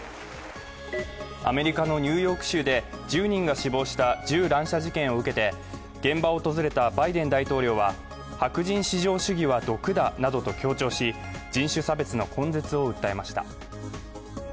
アメリカのニューヨーク州で１０人が死亡した銃乱射事件を受けて現場を訪れたバイデン大統領は、白人至上主義は毒だなどと強調し人種差別の根絶を訴えました。